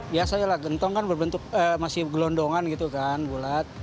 biasanya lah gentong kan berbentuk masih gelondongan gitu kan bulat